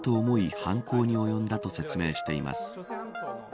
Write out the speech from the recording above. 犯行に及んだと説明しています。